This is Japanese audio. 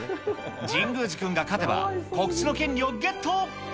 神宮寺君が勝てば告知の権利をゲット。